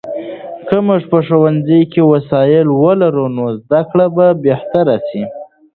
که موږ په ښوونځي کې وسایل ولرو، نو زده کړه به بهتره سي.